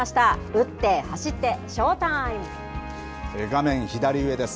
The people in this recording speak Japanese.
打って走って、画面左上です。